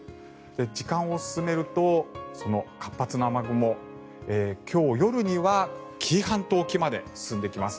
時間を進めると活発な雨雲、今日夜には紀伊半島沖まで進んできます。